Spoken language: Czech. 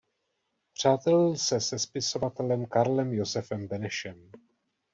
Přátelil se se spisovatelem Karlem Josefem Benešem.